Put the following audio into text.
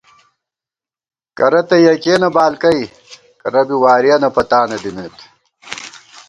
کرہ تہ یَکِیَنہ بالکَئ کرہ بی وارِیَنہ پتانہ دِمېت